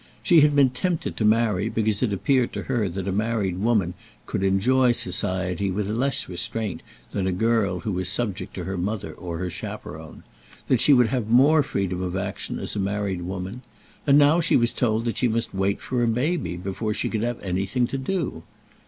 She had been tempted to marry because it appeared to her that a married woman could enjoy society with less restraint than a girl who was subject to her mother or her chaperon; that she would have more freedom of action as a married woman; and now she was told that she must wait for a baby before she could have anything to do.